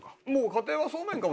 家庭はそうめんかも。